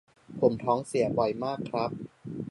ผมท้องเสียบ่อยมากครับ